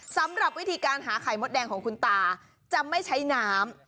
สำหรับวิธีการหาไข่มดแดงของคุณตาจะไม่ใช้น้ำ